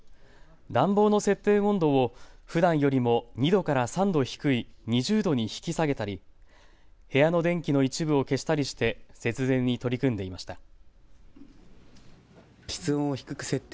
暖房の設定温度をふだんよりも２度から３度低い２０度に引き下げたり部屋の電気の一部を消したりして節電に取り組んでいました。